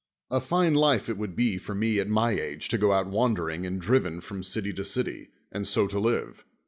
A fine life it would be for me at my age to go out wandering and driven from city to city, and so to live.